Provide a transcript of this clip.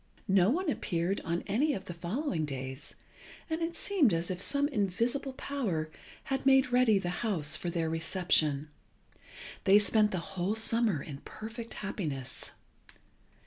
No one appeared on any of the following days, and it seemed as if some invisible power had made ready the house for their reception. They spent the whole summer in perfect happiness.